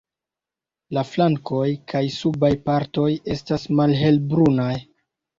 Flankoj kaj subaj partoj estas malhelbrunaj.